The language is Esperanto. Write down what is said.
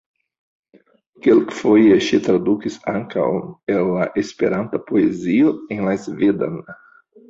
Kelkfoje ŝi tradukis ankaŭ el la Esperanta poezio en la svedan.